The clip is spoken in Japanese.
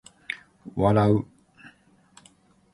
笑う